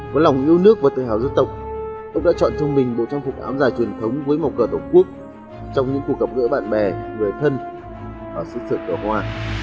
với lòng yêu nước và tự hào dân tộc ông đã chọn cho mình bộ trang phục ám giải truyền thống với một cờ tổng quốc trong những cuộc gặp gỡ bạn bè người thân và sự sợi cờ hoa